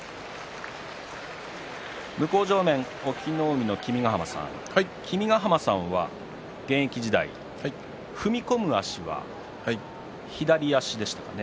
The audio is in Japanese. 向正面の隠岐の海の君ヶ濱さん君ヶ濱さんは現役時代踏み込む足は左足でしたかね？